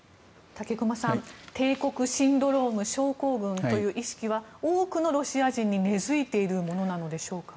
武隈さん帝国シンドローム症候群という意識は多くのロシア人に根付いているものでしょうか？